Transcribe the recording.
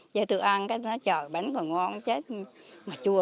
vô tôi ăn nói trời bánh còn ngon chết mà chua